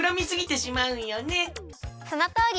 そのとおり！